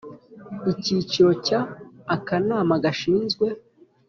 Icyiciro cya akanama gashinzwe